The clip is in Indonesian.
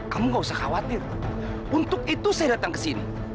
kamu nggak usah khawatir untuk itu saya datang kesini